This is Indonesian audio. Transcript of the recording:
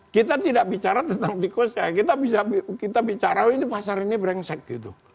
kita tidak bicara tentang tikusnya kita bicara wah ini pasar ini berengsek